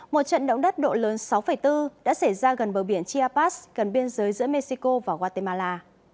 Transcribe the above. một trận động đất độ lớn sáu bốn đã xảy ra gần bờ biển chiapas gần biên giới giữa mexico và guatemala